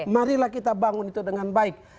marilah kita bangun itu dengan baik